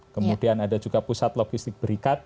kemudian ada juga pusat logistik berikat